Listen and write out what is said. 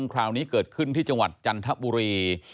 คราวนี้เกิดขึ้นที่จังหวัดจันทบุรี